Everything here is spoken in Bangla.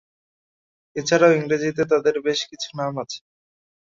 এছাড়াও ইংরেজিতে তাদের বেশ কিছু নাম আছে।